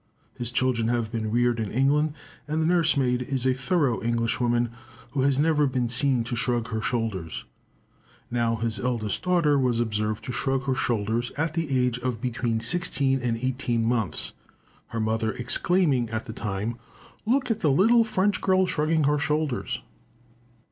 His children have been reared in England, and the nursemaid is a thorough Englishwoman, who has never been seen to shrug her shoulders. Now, his eldest daughter was observed to shrug her shoulders at the age of between sixteen and eighteen months; her mother exclaiming at the time, "Look at the little French girl shrugging her shoulders!"